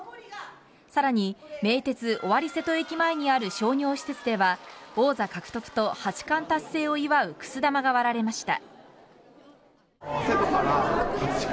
更に名鉄尾張瀬戸駅前にある商業施設では王座獲得と八冠達成を祝うくす玉が割られました。